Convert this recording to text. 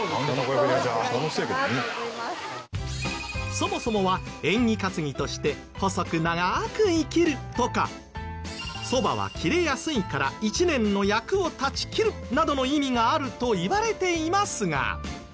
そもそもは縁起担ぎとして細く長く生きるとかそばは切れやすいから１年の厄を断ち切るなどの意味があるといわれていますが。